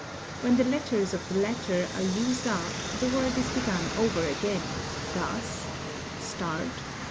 When the letters of the latter are used up the word is begun over again thus :— Stet.